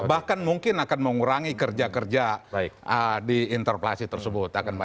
bahkan mungkin akan mengurangi kerja kerja di interpelasi tersebut